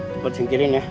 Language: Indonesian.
cepat singkirin ya